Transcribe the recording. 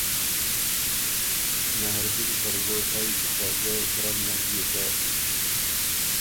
مهردل سرګوټئ خه ګه ګرم نک بیوک که